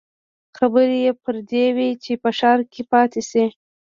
خبرې يې پر دې وې چې په ښار کې پاتې شي.